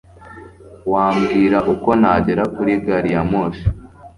wambwira uko nagera kuri gari ya moshi